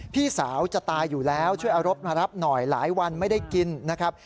พี่สาวจะตายอยู่แล้วช่วยเอารถมารับหน่อยหลายวันไม่ได้กินนะครับ